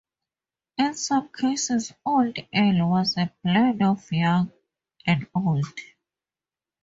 In some cases old ale was a blend of young and old.